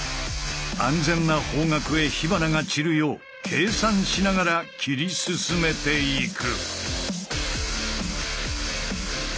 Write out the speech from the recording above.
安全な方角へ火花が散るよう計算しながら切り進めていく。